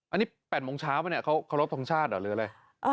อันนี้๘โมงเช้าปะเขารักทางชาติหมดหรืออะไร